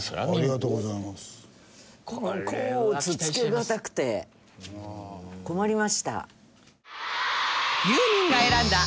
もう甲乙つけがたくて困りました。